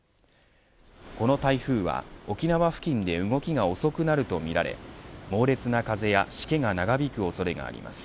この台風は沖縄付近で動きが遅くなるとみられ猛烈な風や、しけが長引く恐れがあります。